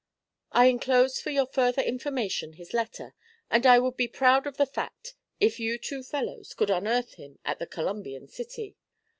I enclose for your further information his letter; and I would be proud of the fact if you two fellows could unearth him at the Columbian City.